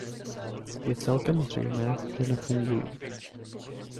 Je celkem zřejmé, že nefungují.